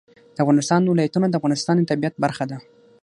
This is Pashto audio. د افغانستان ولايتونه د افغانستان د طبیعت برخه ده.